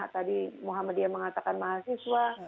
tadi muhammadiyah mengatakan mahasiswa